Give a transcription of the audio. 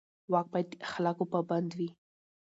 واک باید د اخلاقو پابند وي.